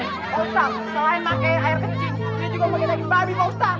apa buktinya kalian melakukan semua ini